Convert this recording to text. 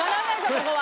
ここは。